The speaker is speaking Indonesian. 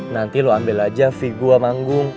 nanti lo ambil aja fee gue manggung